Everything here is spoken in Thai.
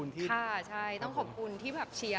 ต้องขอบคุณที่เชียร์